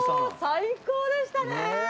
最高でしたねえ！